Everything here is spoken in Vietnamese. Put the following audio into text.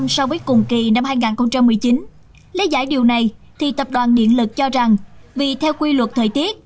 so với cùng kỳ năm hai nghìn một mươi chín lấy giải điều này thì tập đoàn điện lực cho rằng vì theo quy luật thời tiết